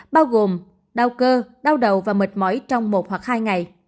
bao gồm đau cơ đau đầu và mệt mỏi